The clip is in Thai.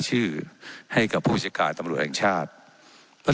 เจ้าหน้าที่ของรัฐมันก็เป็นผู้ใต้มิชชาท่านนมตรี